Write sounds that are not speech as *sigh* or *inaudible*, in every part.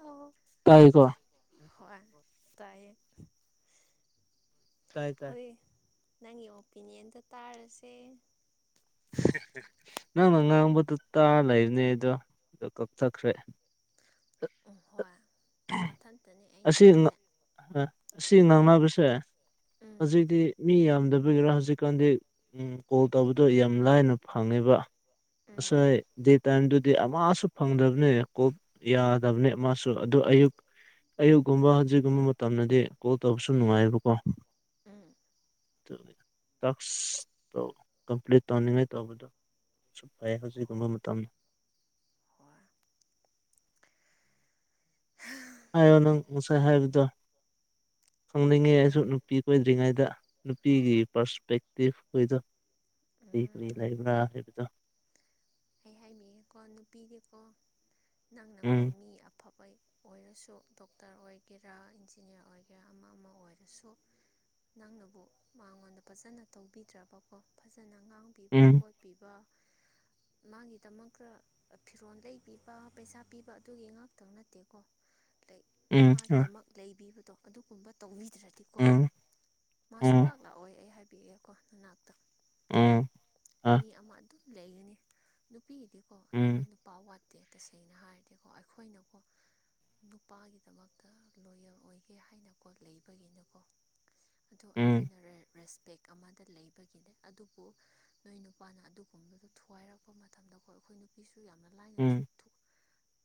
ꯑ ꯀꯥꯏꯀꯣ ꯍꯣꯏ ꯇꯥꯏ ꯇꯥꯏ ꯇꯥꯏ ꯑꯗꯨꯔꯤ ꯅꯪꯒꯤ ꯑꯣꯄꯤꯅꯤꯌꯟꯗꯣ ꯇꯥꯔꯁꯦ ꯅꯪꯅ ꯉꯥꯡꯕꯗꯨ ꯇꯥꯔ ꯂꯩꯕꯅꯦ ꯑꯗꯣ ꯀꯛꯊꯈ꯭ꯔꯦ ꯎꯝ ꯍꯣꯏ ꯃꯊꯟꯇꯅꯦ ꯑꯩꯅ ꯅꯠꯇꯦ ꯁꯤ ꯉꯥꯡꯅꯕꯁꯦ ꯎꯝ ꯍꯧꯖꯤꯛꯇꯤ ꯃꯤ ꯌꯥꯝꯗꯕꯤꯒꯤꯔꯥ ꯍꯧꯖꯤꯛꯀꯥꯟꯗꯤ ꯎ ꯀꯣꯜ ꯇꯧꯕꯗꯣ ꯌꯥꯝ ꯂꯥꯏꯅ ꯐꯪꯉꯦꯕ ꯎꯝ ꯉꯁꯥꯏ ꯗꯦ ꯇꯥꯏꯝꯗꯨꯗꯤ ꯑꯃꯁꯨ ꯐꯪꯗ꯭ꯔꯕꯅꯦ ꯀꯣ ꯌꯥꯗꯕꯅꯦ ꯃꯥꯁꯨ ꯑꯗꯨ ꯑꯌꯨꯛ ꯑꯌꯨꯛꯀꯨꯝꯕ ꯍꯧꯖꯤꯛꯒꯨꯝꯕ ꯃꯇꯝꯗꯗꯤ ꯀꯣꯜ ꯇꯧꯕꯁꯨ ꯅꯨꯡꯉꯥꯏꯌꯦꯕꯀꯣ ꯎꯝ ꯑꯗꯨ ꯇꯥꯛꯁꯇꯣ ꯀꯝꯄ꯭ꯂꯤꯠ ꯇꯧꯅꯤꯡꯉꯥꯏ ꯇꯧꯕꯗꯣ ꯁ ꯐꯩ ꯍꯣꯏ ꯍꯧꯖꯤꯛꯒꯨꯝꯕ ꯃꯇꯝ ꯍꯣꯏ ꯍꯥꯏꯌꯣ ꯅꯪ ꯉꯁꯥꯏ ꯍꯥꯏꯕꯗꯣ ꯈꯪꯅꯤꯡꯉꯦ ꯋꯨꯃꯦꯟ ꯑꯩꯁꯨ ꯅꯨꯄꯤ ꯀꯣꯏꯗ꯭ꯔꯤꯉꯩꯗ ꯅꯨꯄꯤꯒꯤ ꯄꯔꯁꯄꯦꯛꯇꯤꯞ ꯑꯩꯈꯣꯏꯗꯣ ꯀꯔꯤ ꯀꯔꯤ ꯎꯝ ꯂꯩꯕ꯭ꯔꯥ ꯍꯥꯏꯕꯗꯣ ꯀꯣ ꯅꯨꯄꯤꯗꯤꯀꯣ ꯅꯪꯅꯀꯣ ꯎꯝ ꯃꯤ ꯑꯐꯕ ꯑꯣꯏꯔꯁꯨ ꯗꯣꯛꯇꯔ ꯑꯣꯏꯒꯦꯔꯥ ꯏꯟꯖꯤꯅꯤꯌꯥꯔ ꯑꯣꯏꯒꯦꯔꯥ ꯑꯃ ꯑꯃ ꯑꯣꯏꯔꯁꯨ ꯅꯪꯅꯕꯨ ꯃꯉꯣꯟꯗ ꯐꯖꯅ ꯇꯧꯕꯤꯗ꯭ꯔꯕꯀꯣ ꯐꯖꯅ ꯉꯥꯡ ꯄꯤꯕ ꯎꯝ ꯀꯣꯠꯄꯤꯕ ꯃꯥꯒꯤꯗꯃꯛ ꯈꯔ ꯐꯤꯔꯣꯟꯜꯗꯩ ꯄꯤꯕ ꯄꯩꯁꯥ ꯄꯤꯕ ꯑꯗꯨꯒꯤ ꯉꯥꯛꯇꯪ ꯅꯠꯇꯦꯀꯣ ꯎꯝ ꯎꯝ ꯃꯥꯒꯤꯗꯃꯛ ꯂꯩꯕꯤꯕꯗꯣ ꯑꯗꯨꯒꯨꯝꯕ ꯇꯧꯕꯤ ꯗ꯭ꯔꯗꯤꯀꯣ ꯎꯝ ꯃꯥ ꯎꯝ ꯁꯨꯡꯂꯥꯛꯂꯥꯛꯑꯣ ꯑꯩ ꯍꯥꯏꯕꯤꯑꯦꯀꯣ ꯅꯅꯥꯛꯇ ꯎꯝ ꯑ ꯃꯤ ꯑꯃ ꯑꯗꯨꯝ ꯂꯩꯒꯅꯤ ꯅꯨꯄꯤꯒꯤꯗꯤꯀꯣ ꯑꯕ ꯎꯝ ꯅꯨꯄꯥ ꯋꯥꯠ ꯇꯁꯦꯡꯅ ꯍꯥꯏꯔꯗꯤꯀꯣ ꯑꯩꯈꯣꯏꯅꯀꯣ ꯅꯨꯄꯥꯒꯤꯗꯃꯛꯇ ꯂꯣꯌꯣꯌꯔ ꯑꯣꯏꯒꯦ ꯍꯥꯏꯅ ꯀꯣꯠ ꯂꯩꯕꯒꯤꯅꯀꯣ ꯑꯗꯣ ꯎꯝ ꯑꯩꯈꯣꯏꯅ ꯔꯦꯁꯄꯦꯛ ꯑꯃꯗ ꯂꯩꯕꯒꯤꯅꯦ ꯑꯗꯨꯕꯨ ꯅꯣꯏ ꯅꯨꯄꯥꯅ ꯑꯗꯨꯒꯨꯝꯕꯗꯣ ꯊꯨꯋꯥꯔꯛꯄ ꯃꯇꯝꯗ ꯍꯣꯏ ꯑꯩꯈꯣꯏ ꯅꯨꯄꯤꯁꯨ ꯌꯥꯝꯅ ꯎꯝ ꯂꯥꯏꯅ ꯎꯝ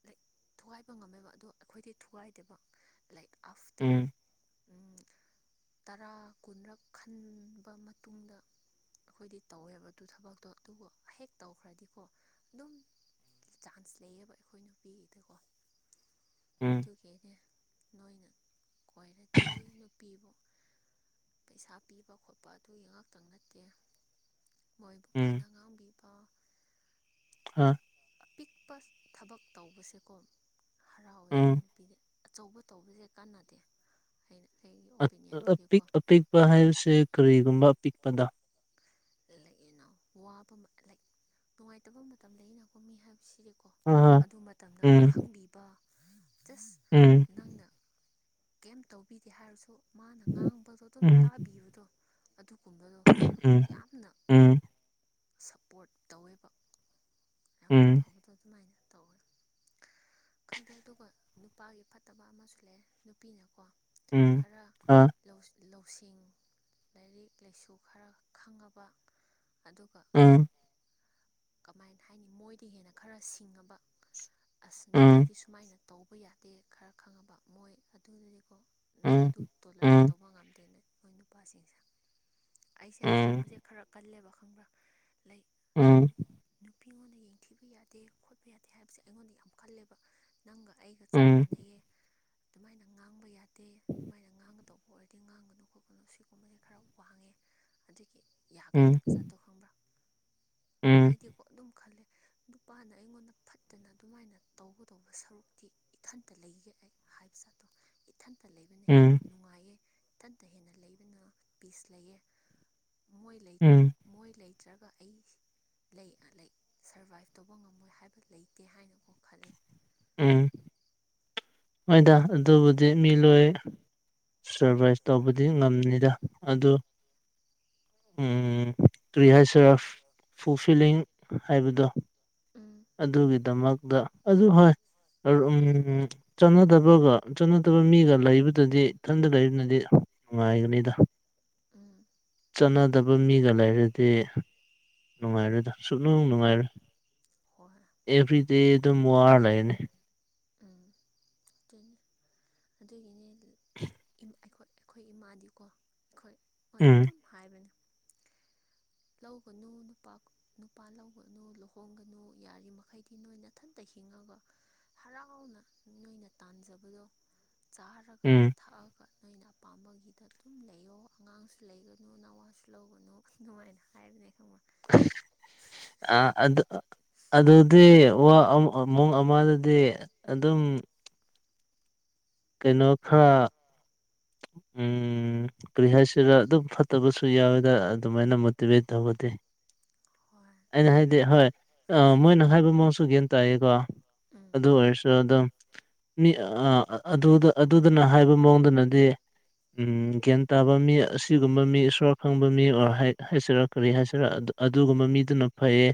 ꯂꯥꯏꯛ ꯊꯨꯒꯥꯏꯕ ꯉꯝꯃꯦꯕ ꯑꯗꯣ ꯑꯩꯈꯣꯏꯗꯤ ꯊꯨꯒꯥꯏꯗꯦꯕ ꯂꯥꯏꯛ ꯑꯥꯐꯇꯔ ꯇꯔꯥ ꯀꯨꯟꯔꯛ ꯈꯟꯕ ꯃꯇꯨꯡꯗ ꯑꯩꯈꯣꯏꯗꯤ ꯇꯧꯋꯦꯕ ꯑꯗꯨ ꯊꯕꯛꯇꯣ ꯑꯗꯨꯕꯨ ꯍ ꯍꯦꯛ ꯇꯧꯈ꯭ꯔꯗꯤꯀꯣ ꯑꯗꯨꯝ ꯆꯥꯟꯁ ꯂꯩꯌꯦꯕ ꯑꯩꯈꯣꯏ ꯅꯨꯄꯤꯒꯤꯗꯀꯣ ꯎꯝ ꯑꯗꯨꯒꯤꯅꯦ ꯅꯣꯏꯅ ꯀꯣꯏꯔꯗꯤ ꯅꯨꯄꯤꯕꯨ ꯄꯩꯁꯥ ꯄꯤꯕ ꯈꯣꯠꯄ ꯑꯗꯨꯒꯤ ꯉꯥꯛꯇꯪ ꯅꯠꯇꯦ ꯃꯣꯏꯕꯨ ꯎꯝ ꯐꯅ ꯉꯥꯡꯕꯤꯕ ꯑ ꯑꯄꯤꯛꯄ ꯊꯕꯛ ꯇꯧꯕꯁꯦꯀꯣ ꯍꯔꯥꯎꯋꯦ ꯎꯝ ꯑꯩꯈꯣꯏꯅ ꯄꯤꯔ ꯑꯆꯧꯕ ꯇꯧꯕꯁꯦ ꯀꯥꯟꯅꯗꯦ ꯑꯩꯅ ꯑꯩꯒꯤ ꯑꯣꯄꯤꯅꯤꯌꯟꯗꯗꯤꯀꯣ ꯄꯛꯄ ꯍꯥꯏꯕꯁꯦ ꯀꯔꯤꯒꯨꯝꯕ ꯑꯄꯤꯛꯄꯗ ꯂꯩꯅ ꯋꯥꯕ ꯅꯨꯡꯉꯥꯏꯇꯕ ꯃꯇꯝ ꯂꯩ ꯑꯅꯀꯣ ꯃꯤ ꯍꯥꯏꯕꯁꯤꯗꯤ ꯀꯣ ꯑ ꯑꯗꯨ ꯃꯇꯝꯗ ꯎꯝ ꯈꯪꯕꯤꯕ ꯖꯁ ꯎꯝ ꯅꯪꯅ ꯀꯩꯝ ꯇꯧꯕꯤꯗꯦ ꯍꯥꯏꯔꯁꯨ ꯃꯥꯅ ꯉꯥꯡꯕꯗꯣ ꯑꯗꯨꯝ ꯎꯝ ꯇꯥꯕꯤꯕꯗꯣ ꯑꯗꯨꯒꯨꯝꯕꯗꯣ ꯎꯝ ꯌꯥꯝꯅ ꯎꯝ ꯁꯞꯄꯣꯔꯠ ꯇꯧꯋꯦꯕ ꯌꯥꯝꯅ ꯎꯝ ꯐꯕꯗꯣ ꯑꯗꯨꯃꯥꯏꯅ ꯇꯧꯋꯦ ꯈꯪꯗꯦ ꯑꯗꯨꯒ ꯅꯨꯄꯥꯒꯤ ꯐꯠꯇꯕ ꯑꯃꯁꯨ ꯂꯩ ꯅꯨꯄꯤꯅꯀꯣ ꯎꯝ ꯈꯔ ꯑ ꯂꯧꯁꯤꯡ ꯂꯥꯏꯔꯤꯛ ꯂꯥꯏꯁꯨ ꯈꯔ ꯈꯪꯉꯕ ꯑꯗꯨꯒ ꯎꯝ ꯀꯃꯥꯏꯅ ꯍꯥꯏꯅꯤ ꯃꯣꯏꯗ ꯍꯦꯟꯅ ꯈꯔ ꯁꯤꯡꯉꯕ ꯑꯁ ꯎꯝ ꯅꯨꯄꯤꯗꯤ ꯁꯨꯃꯥꯏꯅ ꯇꯧꯕ ꯌꯥꯗꯦ ꯈꯔ ꯈꯪꯉꯕ ꯃꯣꯏ ꯑꯗꯨꯗꯨꯗꯤꯀꯣ ꯃꯣꯏ ꯎꯝ ꯑꯗꯨ ꯇꯣꯂꯔꯦꯛ ꯎꯝ ꯇꯧꯕ ꯉꯝꯗꯦꯅꯦ ꯃꯣꯏ ꯅꯨꯄꯥꯁꯤꯡꯁꯦ ꯑꯩꯁꯦ ꯎꯝ ꯎꯝ ꯑꯁꯤꯒꯨꯝꯕꯁꯦ ꯈꯔ ꯀꯜꯂꯦꯕ ꯈꯪꯕ꯭ꯔ ꯂꯩ ꯎꯝ ꯅꯨꯄꯤꯉꯣꯟꯗ ꯌꯦꯡꯊꯤꯕ ꯌꯥꯗꯦ ꯈꯣꯠꯄ ꯌꯥꯗꯦ ꯍꯥꯏꯕꯁꯦ ꯑꯩꯉꯣꯟꯗ ꯌꯥꯝ ꯈꯜꯂꯦꯕ ꯅꯪꯒ ꯑꯩꯒ ꯆꯞ ꯃꯥꯟꯅꯩꯌꯦ ꯑꯗꯨꯃꯥꯏꯅ ꯉꯥꯡꯕ ꯌꯥꯗꯦ ꯑꯗꯨꯃꯥꯏꯅ ꯉꯥꯡꯒꯗꯧꯕ ꯑꯣꯏꯔ ꯗꯤ ꯉꯥꯡꯒꯅꯨ ꯈꯣꯠꯀꯅꯨ ꯁꯤꯒꯨꯝꯕꯁꯤ ꯈꯔ ꯋꯥꯡꯉꯦ ꯑꯗꯨꯒꯤ ꯌꯥꯒꯟꯗꯕ ꯖꯥꯠꯇꯣ ꯈꯪꯕ꯭ꯔꯥ ꯑꯩꯗꯤꯀꯣ ꯑꯗꯨꯝ ꯈꯜꯂꯦ ꯅꯨꯄꯥꯅ ꯑꯩꯉꯣꯟꯗ ꯐꯠꯇꯅ ꯑꯗꯨꯃꯥꯏꯅ ꯇꯧꯒꯗꯧꯕ ꯁꯔꯨꯛꯇꯤ ꯏꯊꯟꯇ ꯂꯩꯒꯦ ꯑꯩ ꯍꯥꯏꯕ ꯆꯥꯠꯇꯣ ꯏꯊꯟꯇ ꯎꯝ ꯂꯩꯕꯅ ꯎꯝ ꯍꯦꯟꯅ ꯅꯨꯡꯉꯥꯏꯌꯦ ꯇꯟꯇ ꯍꯦꯟꯅ ꯂꯩꯕꯅ ꯄꯤꯁ ꯂꯩꯌꯦ ꯃꯣꯏ ꯂꯩ ꯎꯝ ꯃꯣꯏ ꯂꯩ ꯅꯠꯇ꯭ꯔꯒ ꯑꯩ ꯂꯩ ꯁꯔꯕꯥꯏꯞ ꯇꯧꯕ ꯉꯝꯃꯣꯏ ꯍꯥꯏꯕ ꯂꯩꯇꯦ ꯍꯥꯏꯅꯀꯣ ꯈꯜꯂꯦ ꯎꯝ ꯍꯣꯏꯗ ꯑꯗꯨꯕꯨꯗꯤ ꯃꯤ ꯂꯣꯏ ꯎꯝ ꯁꯔꯚꯥꯏꯁ ꯇꯧꯕꯗꯤ ꯉꯝꯅꯤꯗ ꯑꯗꯨ ꯎꯝ ꯇꯔꯤ ꯍꯥꯏꯁꯔ ꯐꯨꯐꯤꯂꯤꯡ ꯍꯥꯏꯕꯗꯣ ꯎꯝ ꯑꯗꯨꯒꯤꯗꯃꯛꯇ ꯑꯗꯨ ꯍꯣꯏ ꯎꯝ ꯆꯥꯟꯅꯗꯕꯒ ꯆꯥꯟꯅꯗꯕ ꯃꯤꯒ ꯂꯩꯕꯗꯗꯤ ꯏꯊꯟꯇ ꯂꯩꯕꯅꯗꯤ ꯅꯨꯡꯉꯥꯏꯒꯅꯤꯗ ꯎꯝ ꯆꯥꯟꯅꯗꯕ ꯃꯤꯒ ꯂꯩꯔꯗꯤ ꯅꯨꯡꯉꯥꯏꯔꯣꯏꯗ ꯁꯨꯅꯨꯡ ꯅꯨꯡꯉꯥꯏꯔꯣꯏ ꯍꯔ *inaudible* ꯑꯦꯕ꯭ꯔꯤ ꯗꯦ ꯑꯗꯨꯅ ꯋꯥꯅꯤ ꯎꯝ ꯑꯗꯨꯅꯦ ꯑꯗꯨꯒꯤꯅꯦ ꯑꯩꯈꯣꯏ ꯏꯃꯥꯗꯤꯀꯣ ꯑꯩꯈꯣꯏꯗ ꯎꯝ ꯑꯗꯨꯝ ꯍꯥꯏꯕꯅꯦ ꯂꯧꯒꯅꯨ ꯅꯨꯄꯥ ꯅꯨꯄꯥ ꯂꯧꯒꯅꯨ ꯂꯨꯍꯣꯡꯒꯅꯨ ꯌꯥꯔꯤꯃꯈꯩꯗꯤ ꯅꯣꯏ ꯏꯊꯟꯇ ꯍꯤꯡꯉꯒ ꯍꯔꯥꯎꯅ ꯅꯣꯏꯅ ꯇꯥꯟꯖꯕꯗꯣ ꯆꯥꯔꯒ ꯎꯝ ꯊꯛꯑꯒ ꯅꯣꯏꯅ ꯑꯄꯥꯝꯕꯒꯤꯗ ꯑꯗꯨꯝ ꯂꯩꯌꯣ ꯑꯉꯥꯡꯁꯨ ꯂꯩꯒꯅꯨ ꯅꯋꯥꯁꯨ ꯂꯧꯒꯅꯨ ꯅꯨꯡꯉꯥꯏꯅ ꯍꯥꯏꯕꯅꯦ ꯈꯪꯕ ꯑ ꯑꯗ *inaudible* ꯑꯗꯨꯗꯤ ꯋꯥ ꯃꯨꯡ ꯑꯃꯗꯗꯤ ꯑꯗꯨꯝ ꯀꯩꯅꯣ ꯈꯔ ꯎꯝ ꯎꯝ ꯀꯔꯤ ꯍꯥꯏꯁꯤꯔ ꯑꯗꯨꯝ ꯐꯠꯇꯕꯁꯨ ꯌꯥꯎꯋꯦꯗ ꯑꯗꯨꯃꯥꯏꯅ ꯃꯣꯇꯤꯚꯦꯠ ꯇꯧꯕꯗꯤ ꯍꯣꯏ ꯑꯩꯅ ꯍꯥꯏꯗꯤ ꯑꯗꯨꯕꯨ ꯍꯣꯏ ꯑ ꯃꯣꯏꯅ ꯍꯥꯏꯕ ꯃꯑꯣꯡꯁꯨ ꯇꯥꯏꯀꯣ ꯎꯝ ꯑꯗꯨ ꯑꯣꯏꯔꯁꯨ ꯑꯗꯨꯝ ꯃꯤ ꯑꯗꯨ ꯑꯗꯨꯗꯅ ꯍꯥꯏꯕ ꯃꯑꯣꯡꯗꯅꯗꯤ ꯎꯝ ꯒ꯭ꯌꯥꯟ ꯇꯥꯕ ꯃꯤ ꯑꯁꯤꯒꯨꯝꯕ ꯃꯤ ꯏꯁꯣꯔ ꯈꯪꯕ ꯃꯤ ꯍꯥꯏꯁꯤꯔꯥ ꯀꯔꯤ ꯍꯥꯏꯁꯤꯔꯥ ꯑꯗꯨꯒꯨꯝꯕ ꯃꯤꯗꯨꯅ ꯐꯩꯌꯦ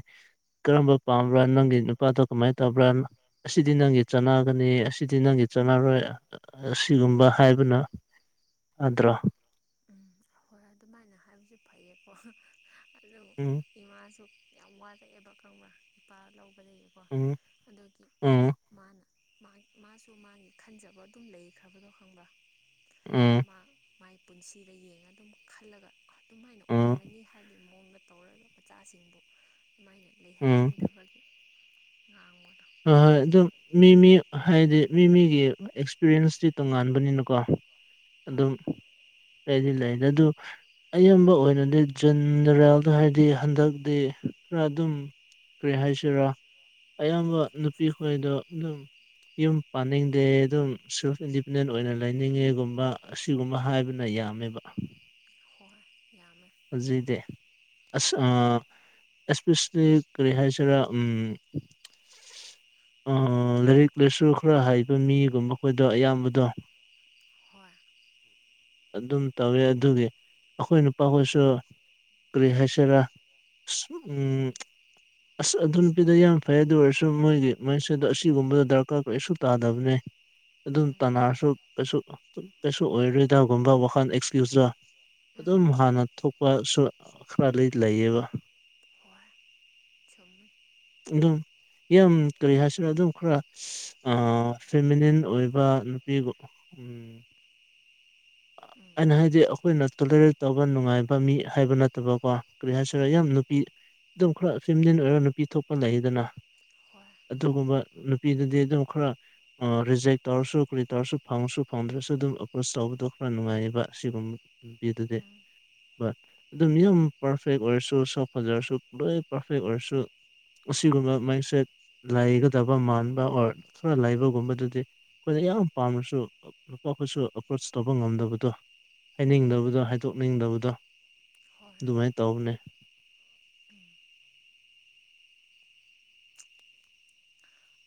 ꯀꯔꯝꯕ ꯄꯥꯝꯕ꯭ꯔꯥ ꯅꯪꯒꯤ ꯅꯨꯄꯥꯗꯣ ꯀꯃꯥꯏꯅ ꯇꯧꯕ꯭ꯔꯥ ꯑꯁꯤꯗꯤ ꯅꯪꯒꯤ ꯆꯥꯟꯅꯒꯅꯤ ꯑꯁꯤꯗꯤ ꯅꯪꯒꯤ ꯆꯥꯟꯅꯔꯣꯏ ꯑꯁꯤꯒꯨꯝꯕ ꯍꯥꯏꯕꯅ ꯑ꯭ꯔꯣ *inaudible* ꯎꯝ ꯍꯣꯏ ꯑꯗꯨꯃꯥꯏꯅ ꯍꯥꯏꯕꯁꯨ ꯐꯩꯌꯦꯀꯣ ꯑꯗꯨ ꯎꯝ ꯏꯃꯥꯁꯨ ꯌꯥꯝ ꯋꯥꯔꯛꯑꯦꯕ ꯈꯪꯕ꯭ꯔꯥ ꯏꯄꯥ ꯂꯧꯕꯗꯒꯤꯀꯣ ꯎꯝ ꯑꯗꯨꯒꯤ ꯎꯝ ꯃꯥꯅ ꯃꯥꯁꯨ ꯃꯥꯒꯤ ꯈꯟꯖꯕ ꯑꯗꯨꯝ ꯂꯩꯈ꯭ꯔꯕꯗꯣ ꯈꯪꯕ꯭ꯔ ꯎꯝ ꯃꯥꯏ ꯄꯨꯟꯁꯤꯗ ꯌꯦꯡꯉ ꯑꯗꯨꯝ ꯈꯜꯂꯒ ꯑꯗꯨꯃꯥꯏꯅ ꯎꯝ ꯑꯣꯏꯔꯅꯤ ꯍꯥꯏꯕꯒꯤ ꯃꯑꯣꯡꯗ ꯇꯧꯔꯒ ꯃꯆꯥꯁꯤꯡꯕꯨ ꯑꯗꯨꯃꯥꯏꯅ ꯎꯝ ꯂꯩꯍꯟꯅꯤꯡꯗꯕꯒꯤ ꯉꯥꯡꯕꯗ ꯍꯣꯏ ꯍꯣꯏ ꯑꯗꯨꯝ ꯃꯤ ꯃꯤ ꯍꯥꯏꯗꯤ ꯃꯤ ꯃꯤꯒꯤ ꯑꯦꯛꯁꯄꯤꯔꯤꯌꯦꯟꯁꯇꯤ ꯇꯣꯉꯥꯟꯕꯅꯤꯅꯀꯣ ꯑꯗꯨꯝ ꯎꯝ ꯂꯩꯗꯤ ꯂꯩꯅꯦ ꯑꯗꯨ ꯑꯌꯥꯝꯕ ꯑꯣꯏꯅꯗꯤ ꯖꯦꯟꯅꯔꯦꯜꯗ ꯍꯥꯏꯗꯤ ꯍꯟꯗꯛꯇꯤ ꯈꯔ ꯑꯗꯨꯝ ꯀꯔꯤ ꯍꯥꯏꯁꯤꯔ ꯑꯌꯥꯝꯕ ꯅꯨꯄꯤ ꯈꯣꯏꯗꯣ ꯑꯗꯨꯝ ꯌꯨꯝ ꯄꯥꯟꯅꯤꯡꯗꯦ ꯑꯗꯨꯝ ꯁꯦꯜꯐ ꯏꯟꯗꯤꯄꯦꯟꯗꯦꯟ ꯑꯣꯏꯅ ꯂꯩꯅꯤꯡꯉꯦꯒꯨꯝꯕ ꯑꯁꯤꯒꯨꯝꯕ ꯍꯥꯏꯕꯅ ꯌꯥꯝꯃꯦꯕ ꯍꯣꯏ ꯌꯥꯝꯃꯦ ꯍꯧꯖꯤꯗꯤ ꯑꯁ ꯑꯦꯁꯄꯤꯁꯂꯤ ꯀꯔꯤ ꯍꯥꯏꯁꯤꯔꯥ ꯎꯝ ꯂꯥꯏꯔꯤꯛ ꯂꯥꯏꯁꯨ ꯈꯔ ꯍꯩꯕ ꯃꯤꯒꯨꯝꯕ ꯑꯩꯈꯣꯏꯗꯣ ꯑꯌꯥꯝꯕꯗꯣ ꯍꯣꯏ ꯑꯗꯨꯝ ꯇꯧꯋꯤ ꯑꯗꯨꯒꯤ ꯑꯩꯈꯣꯏ ꯅꯨꯄꯥꯈꯣꯏꯁꯨ ꯀꯔꯤ ꯍꯥꯏꯁꯤꯔ ꯑꯁ ꯎꯝ ꯑꯁ ꯑꯗꯨ ꯅꯨꯄꯤꯗ ꯌꯥꯝ ꯐꯩ ꯑꯗꯨ ꯑꯣꯏꯔꯁꯨ ꯃꯣꯏꯒꯤ ꯃꯥꯟꯁꯦꯗꯣ ꯑꯁꯤꯒꯨꯝꯕꯗ ꯗꯔꯀꯥꯔ ꯀꯔꯤꯁꯨ ꯇꯥꯗꯕꯅꯦ ꯑꯗꯨꯝ ꯎꯝ ꯇꯥꯟꯅꯔꯁꯨ ꯀꯩꯁꯨ ꯀꯩꯁꯨ ꯑꯣꯏꯔꯣꯏꯗꯒꯨꯝꯕ ꯋꯥꯈꯜ ꯑꯦꯛꯁꯀ꯭ꯌꯨꯁꯂꯥ ꯎꯝ ꯑꯗꯨꯝ ꯍꯥꯟꯅ ꯊꯣꯛꯄꯁꯨ ꯈꯔꯥ ꯂꯩꯗꯤ ꯂꯩꯌꯦꯕ ꯍꯣꯢ ꯆꯨꯝꯃꯤ ꯑꯗꯨꯝ ꯌꯥꯝ ꯀꯔꯤ ꯍꯥꯏꯁꯤꯔ ꯑꯗꯨꯝ ꯈꯔ ꯑꯥ ꯐꯦꯃꯤꯅꯤꯟ ꯑꯣꯏꯕ ꯅꯨꯄꯤꯒ ꯎꯝ ꯎꯝ ꯑꯩꯅ ꯍꯥꯏꯗꯤ ꯑꯩꯈꯣꯏꯅ ꯇꯣꯂꯦꯔꯦꯠ ꯇꯧꯕ ꯅꯨꯡꯉꯥꯏꯕ ꯃꯤ ꯍꯥꯏꯕ ꯅꯠꯇꯕꯀꯣ ꯀꯔꯤ ꯍꯥꯏꯁꯤꯔꯦ ꯎꯝ ꯌꯥꯝ ꯅꯨꯄꯤ ꯑꯗꯨꯝ ꯈꯔ ꯐꯦꯃꯤꯂꯤꯟ ꯑꯣꯏꯔꯒ ꯅꯨꯄꯤ ꯊꯣꯛꯄ ꯂꯩꯗꯅ ꯍꯣꯏ ꯑꯗꯨꯒꯨꯝꯕ ꯅꯨꯄꯤꯗꯨꯗꯤ ꯑꯗꯨꯝ ꯈꯔꯥ ꯑꯥ ꯔꯤꯖꯦꯛ ꯇꯧꯔꯁꯨ ꯀꯔꯤ ꯇꯧꯔꯁꯨ ꯐꯪꯉꯁꯨ ꯐꯪꯗ꯭ꯔꯁꯨ ꯑꯗꯨꯝ ꯑꯦꯄ꯭ꯔꯣꯁ ꯇꯧꯕꯗꯣ ꯈꯔ ꯅꯨꯡꯉꯥꯏꯌꯦꯕ ꯁꯤꯒꯨꯝꯕꯤꯗꯨꯗꯤ ꯎꯝ ꯑꯗꯨꯝ ꯌꯨꯝ ꯄꯥꯔꯐꯦꯛ ꯑꯣꯏꯔꯁꯨ ꯁꯛ ꯐꯥꯖꯔꯁꯨ ꯂꯣꯏ ꯄꯥꯔꯐꯦꯛ ꯑꯣꯏꯔꯁꯨ ꯑꯁꯤꯒꯨꯝꯕ ꯃꯥꯟꯁꯦꯠ ꯂꯩꯒꯗꯕ ꯃꯥꯟꯕ ꯑꯣꯔ ꯈꯔ ꯂꯩꯕꯒꯨꯝꯕꯗꯨꯗꯤ ꯑꯩꯈꯣꯏꯗ ꯌꯥꯝ ꯄꯥꯝꯔꯁꯨ ꯅꯨꯄꯥ ꯈꯣꯏꯁꯨ ꯑꯄ꯭ꯔꯣꯁ ꯇꯧꯕ ꯉꯝꯗꯕꯗꯣ ꯎꯝ ꯍꯥꯏꯅꯤꯡꯗꯕꯗꯣ ꯍꯥꯏꯗꯣꯛꯅꯤꯡꯗꯕꯗꯣ ꯍꯣꯏ ꯑꯗꯨꯃꯥꯏ ꯇꯧꯕꯅꯦ ꯎꯝ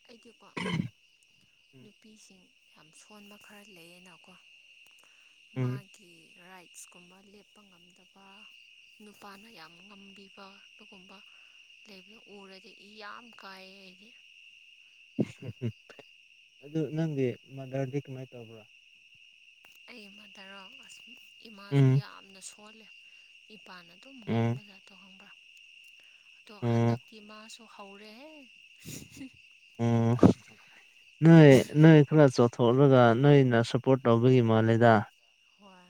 ꯑꯩꯒꯤꯀꯣ ꯅꯨꯄꯤꯁꯤꯡ ꯌꯥꯝ ꯁꯣꯟꯕ ꯈꯔ ꯂꯩꯌꯦꯅꯀꯣ ꯎꯝ ꯃꯥꯒꯤ ꯔꯥꯏꯠ ꯁꯀꯨꯝꯕ ꯂꯦꯞꯄ ꯉꯝꯗꯕ ꯅꯨꯄꯥꯅ ꯌꯥꯝ ꯉꯝꯕꯤꯕ ꯄꯥꯒꯨꯝꯕ ꯂꯩꯕꯗꯣ ꯎꯔꯗꯤ ꯏ ꯌꯥꯝ ꯀꯥꯏꯌꯦ ꯑꯩꯗꯤ ꯑꯗꯨ ꯅꯪꯒꯤ ꯃꯥꯗꯔꯗꯤ ꯀꯃꯥꯏ ꯇꯧꯕ꯭ꯔꯥ ꯑꯩ ꯃꯗꯔꯣ ꯑꯁ ꯏꯃꯥꯁꯨ ꯎꯝ ꯌꯥꯝꯅ ꯁꯣꯜꯂꯦ ꯏꯄꯥꯅ ꯑꯗꯨꯝ ꯎꯝ ꯉꯝꯕꯖꯥꯗꯣ ꯈꯪꯕ꯭ꯔꯥ ꯑꯗꯣ ꯎꯝ ꯍꯟꯗꯛꯇꯤ ꯃꯥꯁ ꯍꯧꯔꯦ ꯍꯦ ꯎꯝ ꯅꯣꯏ ꯅꯣꯏ ꯈꯅ ꯆꯣ ꯊꯣꯛꯂꯒ ꯅꯣꯏꯅ ꯁꯞꯄꯣꯔꯠ ꯇꯧꯕꯒꯤ ꯃꯥꯂꯦꯗ ꯍꯣꯏ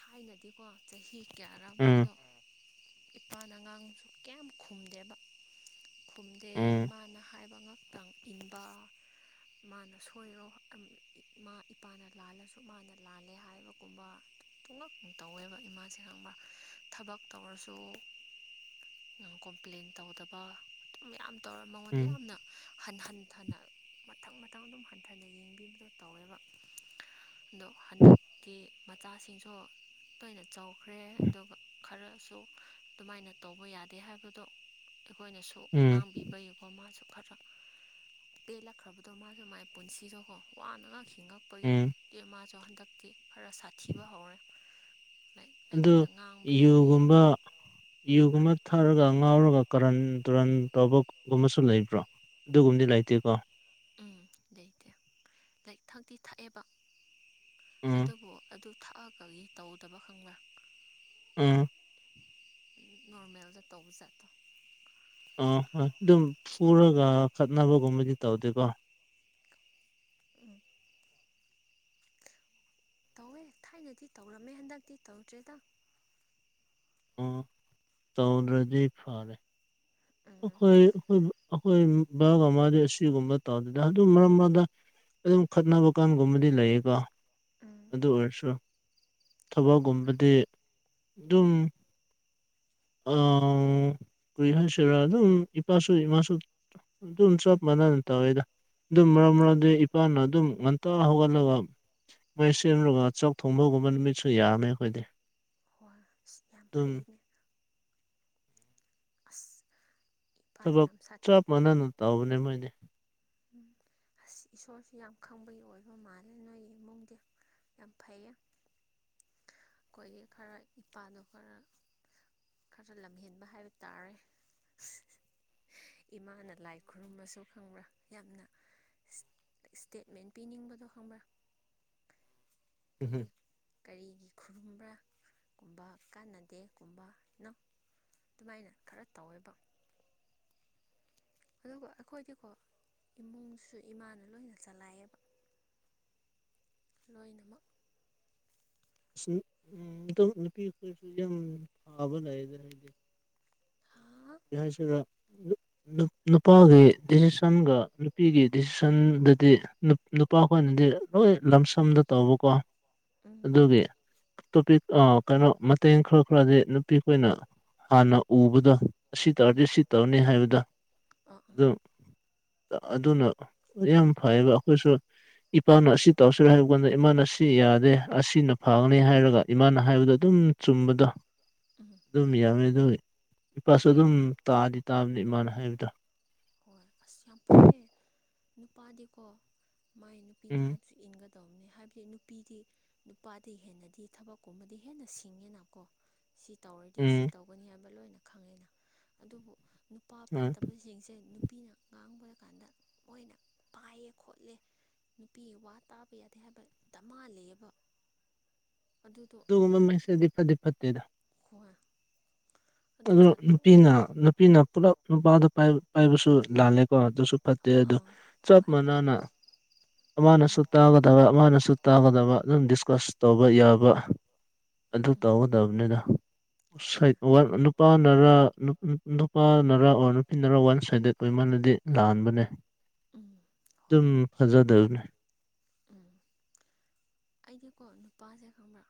ꯊꯥꯏꯅꯗꯤꯀꯣ ꯆꯍꯤ ꯀꯌꯥꯔꯥ ꯎꯝ ꯃꯥꯗꯣ ꯏꯄꯥꯅ ꯑꯉꯥꯡꯁꯨ ꯀꯌꯥꯝ ꯈꯨꯝꯗꯦꯕ ꯈꯨꯝꯗꯦ ꯎꯝ ꯃꯥꯅ ꯍꯥꯏꯕ ꯉꯛ ꯇꯪ ꯏꯟꯕ ꯃꯥꯅ ꯁꯣꯏꯔꯣ ꯃꯥ ꯏꯄꯥꯅ ꯂꯥꯜꯂꯁꯨ ꯃꯥꯅ ꯂꯥꯜꯂꯦ ꯍꯥꯏꯕ ꯒꯨꯝꯕ ꯄꯨꯝꯉꯛ ꯇꯧꯋꯦꯕ ꯏꯃꯥꯁꯦ ꯈꯪꯕ꯭ꯔ ꯊꯕꯛ ꯇꯧꯔꯁꯨ ꯌꯝ ꯀꯣꯝꯄ꯭ꯂꯦꯟ ꯇꯧꯗꯕ ꯑꯗꯨ ꯃꯌꯥꯝ ꯇꯧꯔꯒ ꯃꯉꯣꯟꯗ ꯎꯝ ꯌꯥꯝꯅ ꯍꯟ ꯍꯟꯊꯅ ꯃꯊꯪ ꯃꯊꯪ ꯑꯗꯨꯝ ꯍꯟꯊꯅ ꯌꯦꯡꯕꯤꯕꯗꯣ ꯇꯧꯋꯦꯕ ꯍꯟꯗꯛꯇꯤ ꯃꯆꯥꯁꯤꯡꯁꯨ ꯇꯣꯏꯅ ꯆꯥꯎꯈ꯭ꯔꯦ ꯑꯗꯨꯒ ꯈꯔꯁꯨ ꯑꯗꯨꯃꯥꯏꯅ ꯇꯧꯕ ꯌꯥꯗꯦ ꯍꯥꯏꯕꯗꯣ ꯑꯩꯈꯣꯏꯅꯁꯨ ꯁꯨ ꯎꯝ ꯉꯥꯡꯕꯤꯕꯒꯤꯀꯣ ꯃꯥꯁꯨ ꯈꯔ ꯄꯦꯜꯂꯛꯈ꯭ꯔꯕꯗꯣ ꯃꯥꯁꯨ ꯃꯥꯏ ꯄꯨꯟꯁꯤꯗꯣꯀꯣ ꯋꯥꯅꯅ ꯎꯝ ꯍꯤꯡꯉꯛꯄꯒꯤ ꯃꯥꯁꯨ ꯍꯟꯗꯛꯇꯤ ꯈꯔ ꯁꯥꯊꯤꯕ ꯍꯧꯔꯦ꯫ ꯂꯥꯏꯛ ꯑꯗꯨ ꯑꯩꯉꯣꯟꯗ ꯉꯥꯡꯕ ꯌꯥꯗꯦ꯫ ꯌꯨꯒꯨꯝꯕ ꯌꯨꯒꯨꯝꯕ ꯊꯥꯔꯒ ꯉꯥꯎꯔꯒ ꯀꯔꯟ ꯇꯨꯔꯟ ꯇꯧꯕꯒꯨꯝꯕꯁꯨ ꯂꯩꯕ꯭ꯔꯣ꯫ ꯑꯗꯨꯒꯨꯝꯕꯗꯤ ꯂꯩꯇꯦꯀꯣ꯫ ꯎꯝ ꯂꯩꯇꯦ ꯂꯥꯏꯔꯤꯛ ꯊꯥꯛꯛꯇꯤ ꯊꯥꯛꯑꯦꯕ꯫ ꯎꯝ ꯑꯗꯨꯕꯨ ꯑꯗꯨ ꯊꯥꯛꯑꯒꯒꯤ ꯇꯧꯗꯕ ꯈꯪꯕ꯭ꯔꯥ꯫ ꯎꯝ ꯅꯣꯔꯃꯦꯜꯗ ꯇꯧꯕꯖꯥꯠꯇꯣ꯫ ꯑꯥ ꯍꯣꯏ ꯑꯗꯨꯝ ꯄꯨꯔꯒ ꯈꯠꯅꯕꯒꯨꯝꯕꯗꯤ ꯇꯧꯗꯦꯀꯣ꯫ ꯎꯝ ꯇꯧꯋꯦ ꯊꯥꯏꯅꯗꯤ ꯇꯧꯔꯝꯃꯦ ꯍꯟꯗꯛꯇꯤ ꯇꯧꯗ꯭ꯔꯦꯗ꯫ ꯑ ꯇꯧꯗ꯭ꯔꯗꯤ ꯐꯔꯦ꯫ ꯎꯝ ꯑꯈꯣꯏꯣꯏ ꯑꯈꯣꯏ ꯕꯕꯥ ꯃꯥꯗꯤ ꯑꯁꯤꯒꯨꯝꯕ ꯇꯧꯗꯗ ꯑꯗꯨ ꯃꯔꯝ ꯑꯣꯏꯗ ꯑꯗꯨꯝ ꯈꯠꯅꯕ ꯀꯥꯟꯒꯨꯝꯕꯗꯤ ꯂꯩꯌꯦꯀꯣ ꯎꯝ ꯑꯗꯨ ꯑꯣꯏꯔꯁꯨ ꯍꯣꯏ ꯊꯕꯛꯒꯨꯝꯕꯗꯤ ꯑꯗꯨꯝ ꯑ ꯀꯏ ꯍꯥꯏꯁꯤꯔ ꯑꯗꯨꯝ ꯏꯄꯥꯁꯨ ꯏꯃꯥꯁꯨ ꯑꯗꯨꯝ ꯆꯞ ꯃꯟꯅ ꯇꯋꯥꯦꯗ꯫ ꯑꯗꯨꯝ ꯃꯔꯛ ꯎꯝ ꯃꯔꯛ ꯑꯗꯨ ꯏꯄꯥꯅ ꯑꯗꯨꯝ ꯉꯝꯇ ꯍꯧꯒꯠꯂꯒ ꯃꯣꯏ ꯁꯦꯝꯂꯨꯔꯒ ꯆꯥꯛ ꯊꯣꯡꯕꯒꯨꯝꯕ ꯅꯨꯃꯤꯠꯁꯨ ꯌꯥꯝꯃꯦ ꯑꯈꯣꯏꯗꯤ꯫ *unintelligible* ꯌꯥꯝ ꯐꯩꯅꯦ꯫ ꯑꯁ ꯏꯄꯥꯗꯤ ꯊꯕꯛ ꯌꯥꯝ ꯁꯥꯠ ꯆꯞ ꯃꯅꯅ ꯇꯧꯕꯅꯦ ꯃꯣꯏꯅꯦ꯫ ꯎꯝ ꯑꯁ ꯏꯁꯣꯔꯁꯨ ꯌꯥꯝ ꯈꯪꯕꯒꯤ ꯑꯣꯏꯕ ꯃꯥꯜꯂꯦ ꯅꯣꯏꯒꯤ ꯏꯃꯨꯡꯗꯨ꯫ ꯌꯥꯝ ꯐꯩꯌꯦ ꯑꯈꯣꯏꯒꯤ ꯈꯔ ꯏꯄꯥꯗꯣ ꯈꯔ ꯈꯔ ꯂꯝꯍꯦꯟꯕ ꯍꯥꯏꯕ ꯇꯥꯔꯦ꯫ ꯏꯃꯥꯅ ꯂꯥꯏ ꯈꯨꯔꯨꯝꯃꯁꯨ ꯈꯪꯕ꯭ꯔꯥ ꯌꯥꯝꯅ ꯏꯁꯇꯦꯠꯃꯦꯟ ꯄꯤꯅꯤꯡꯕꯗꯣ ꯈꯪꯕ꯭ꯔꯥ꯫ ꯎꯝ ꯀꯔꯤꯒꯤ ꯈꯨꯔꯨꯝꯕ꯭ꯔꯥꯒꯨꯝꯕ ꯀꯥꯟꯅꯗꯦꯒꯨꯝꯕꯅꯣ ꯑꯗꯨꯃꯥꯏꯅ ꯈꯔ ꯇꯧꯋꯦꯕ꯫ ꯑꯗꯨꯒ ꯑꯩꯈꯣꯏꯗꯤꯀꯣ ꯏꯃꯨꯡꯁꯨ ꯏꯃꯥꯅ ꯂꯣꯏꯅ ꯆꯂꯥꯏꯑꯕ꯫ ꯂꯣꯏꯅꯃꯛ *unintelligible* ꯍꯥꯏꯗꯤ ꯍꯥꯥ *unintelligible* ꯅꯨꯄꯥꯒꯤ ꯗꯤꯁꯤꯁꯟꯒ ꯅꯨꯄꯤꯒꯤ ꯗꯤꯁꯤꯁꯟꯗꯗꯤ ꯅꯨꯄꯥ ꯈꯣꯏꯅꯗꯤ ꯂꯣꯏ ꯂꯝꯁꯝꯗ ꯇꯧꯕꯀꯣ ꯎꯝ ꯑꯗꯨꯒꯤ ꯇꯣꯄꯤꯛ ꯀꯩꯅꯣ ꯃꯇꯦꯡ ꯈꯔ ꯈꯔꯗꯤ ꯅꯨꯄꯤꯈꯅ ꯍꯥꯟꯅ ꯎꯕꯗꯣ ꯑꯁꯤ ꯎꯝ ꯇꯧꯔꯗꯤ ꯁꯤ ꯇꯧꯔꯅꯤ ꯍꯥꯏꯕꯗ ꯑꯥ ꯎꯝ ꯑꯗꯨ꯫ ꯑꯗꯨꯅ ꯌꯥꯝ ꯐꯩꯕ ꯑꯈꯣꯏꯁꯨ ꯏꯄꯥꯅ ꯎꯝ ꯑꯁꯤ ꯇꯧꯁꯤ꯫ ꯁꯔ ꯍꯥꯏꯕ ꯀꯥꯟꯗ ꯏꯃꯥꯅ ꯑꯁꯤ ꯌꯥꯗꯦ ꯑꯁꯤꯅ ꯐꯒꯅꯤ ꯍꯥꯏꯔꯒ ꯏꯃꯥꯅ ꯍꯥꯏꯕꯗꯣ ꯑꯗꯨꯝ ꯆꯨꯝꯕꯗꯣ꯫ *unintelligible* ꯑꯗꯨꯝ ꯌꯥꯝꯃꯦ ꯑꯗꯨꯒ ꯏꯄꯥꯁꯨ ꯑꯗꯨꯝ ꯍꯣꯏ ꯇꯥꯑꯗꯤ ꯇꯥꯕꯅꯤ ꯏꯃꯥꯅ ꯍꯥꯏꯕꯗꯣ꯫ ꯍꯣꯏ ꯑꯁ ꯌꯥꯝ ꯐꯩꯌꯦ ꯅꯨꯄꯥꯗꯤꯀꯣ ꯃꯥꯏ ꯅꯨꯄꯤꯅ ꯎꯝ ꯍꯥꯏ ꯏꯟꯒꯗꯧꯕꯅꯤ ꯍꯥꯏꯕꯗꯤ ꯅꯨꯄꯤꯗꯤ ꯅꯨꯄꯥꯗꯤ ꯍꯦꯟꯅꯗꯤ ꯊꯕꯛꯀꯨꯝꯕꯗꯤ ꯍꯦꯟꯅ ꯁꯤꯡꯉꯦꯅꯀꯣ꯫ ꯁꯤ ꯇꯧꯔꯗꯤ ꯎꯝ ꯁꯤ ꯇꯧꯒꯅꯤ ꯍꯥꯏꯕ ꯂꯣꯏꯅ ꯈꯪꯉꯦꯅ ꯑꯗꯨꯕꯨ ꯅꯨꯄꯥ ꯑ ꯐꯠꯇꯕꯁꯤꯡꯁꯦ꯫ ꯅꯨꯄꯤꯅ ꯉꯥꯡꯕꯔ ꯀꯥꯟꯗ ꯃꯣꯏꯅ ꯄꯥꯏꯌꯦ ꯈꯣꯠꯂꯦ꯫ ꯅꯨꯄꯤ ꯋꯥ ꯇꯥꯕ ꯌꯥꯗꯦ ꯍꯥꯏꯕ ꯗ ꯃꯥꯜꯂꯤꯕ ꯑꯗꯨꯗꯣ ꯃꯩꯁ *unintelligible* ꯈꯣꯢ ꯑꯗꯨ ꯅꯨꯄꯤꯅ ꯅꯨꯄꯤꯅ ꯄꯨꯂꯞ ꯅꯨꯄꯥꯗ ꯄꯥꯏꯕꯁꯨ ꯂꯥꯜꯂꯦꯀꯣ ꯑꯗꯨꯁꯨ ꯐꯠꯇꯦ ꯑ ꯑꯗꯨꯣ ꯑꯥ ꯆꯞ ꯍꯣꯏ ꯃꯥꯟꯅꯅ *inaudible* ꯑꯃꯅꯁꯨ ꯇꯥꯒꯗꯕ ꯑꯃꯅꯁꯨ ꯇꯥꯒꯗꯕ ꯑꯗꯨꯝ ꯗꯤꯁꯀꯁ ꯇꯧꯕ ꯌꯥꯕ ꯑꯗꯨ ꯎꯝ ꯇꯑꯣꯗꯕꯅꯦꯗ ꯍꯣꯏ ꯋꯥ ꯅꯨꯄꯥꯅꯔ ꯅꯨꯄꯥꯅꯔꯥ ꯑꯣꯔ ꯅꯨꯄꯤꯅꯔꯥ ꯋꯥꯟ ꯁꯥꯏꯗꯦꯠ ꯑꯣꯏ ꯃꯥꯅꯗꯤ ꯂꯥꯟꯕꯅꯦ ꯎꯝ ꯍꯣꯏ ꯑꯗꯨꯝ ꯐꯖꯗꯕꯅꯤ ꯎꯝ ꯑꯩꯗꯤꯀꯣ ꯅꯨꯄꯥꯁꯦ ꯈꯪꯕ꯭ꯔꯥ